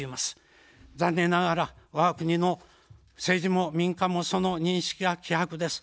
残念ながら、わが国の政治も民間も、その認識が希薄です。